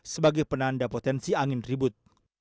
sebagai penanda potensi angin ribut